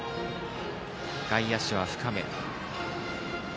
外野手は深め。